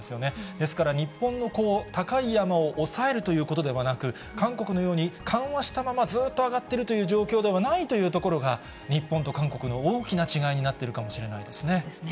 ですから、日本の高い山を抑えるということではなく、韓国のように緩和したまま、ずっと上がってるという状況ではないというところが、日本と韓国の大きな違いになっているかもしれないですね。